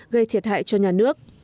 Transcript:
gây thiệt hại cho nhà nước